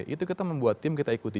itu kita membuat tim kita ikuti